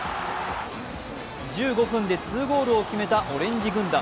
１５分で２ゴールを決めたオレンジ軍団。